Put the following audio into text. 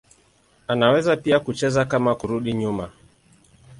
Anaweza pia kucheza kama kurudi nyuma.